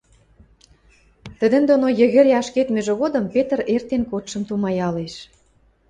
Тӹдӹн доно йӹгӹре ашкедмӹжӹ годым Петр эртен кодшым тумаялеш